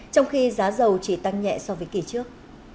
trong khi giá dầu chỉ tăng nhẹ so với kỳ trước